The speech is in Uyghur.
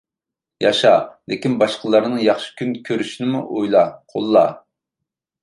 ياشا، لېكىن باشقىلارنىڭ ياخشى كۈن كۆرۈشىنىمۇ ئويلا، قوللا.